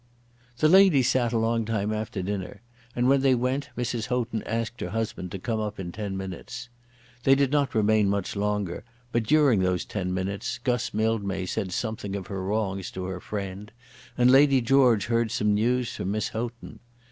The ladies sat a long time after dinner, and when they went Mrs. Houghton asked her husband to come up in ten minutes. They did not remain much longer, but during those ten minutes Guss Mildmay said something of her wrongs to her friend, and Lady George heard some news from Miss Houghton.